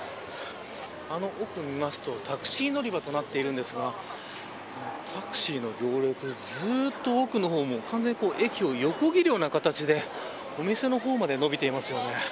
あの奥見ますと、タクシー乗り場となっているんですがタクシーの行列、ずっと奥の方も完全に駅を横切るような形でお店の方まで伸びています。